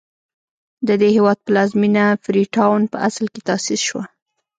د دې هېواد پلازمېنه فري ټاون په اصل کې تاسیس شوه.